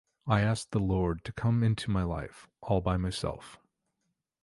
I asked the Lord to come into my life, all by myself.